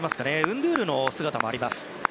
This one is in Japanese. ンドゥールの姿もあります。